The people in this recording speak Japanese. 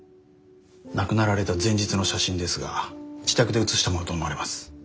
亡くなられた前日の写真ですが自宅で写したものと思われます。